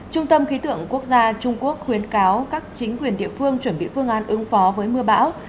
trung tâm khí tượng quốc gia trung quốc khuyến cáo các chính quyền địa phương chuẩn bị phương án ứng phó với mưa bão